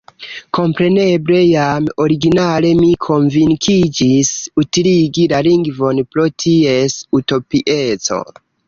Kompreneble, jam originale mi konvinkiĝis utiligi la lingvon pro ties utopieco.